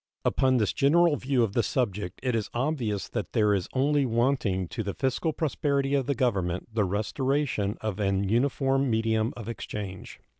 Upon this general view of the subject it is obvious that there is only wanting to the fiscal prosperity of the Government the restoration of an uniform medium of exchange.